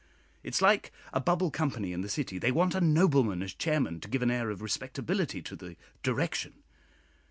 It is like a bubble company in the City; they want a nobleman as chairman to give an air of respectability to the direction.